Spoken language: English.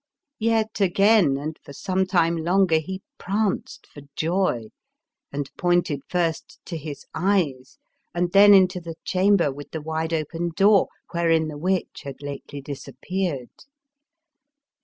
Yet again and for some time longer he pranced for joy, and pointed first to his eyes and then into the chamber with the wide open door, wherein the witch had lately disappeared.